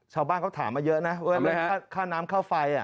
ชาวบ้านเขาถามมาเยอะนะว่าค่าน้ำค่าไฟ